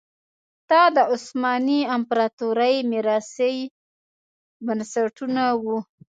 دا د عثماني امپراتورۍ میراثي بنسټونه وو.